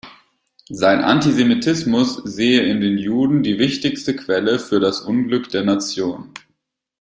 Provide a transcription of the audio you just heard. Sein Antisemitismus sehe in den Juden die wichtigste Quelle für das Unglück der Nation.